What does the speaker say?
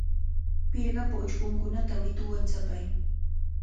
Pirqapa uchkunkunata mituwan chapay.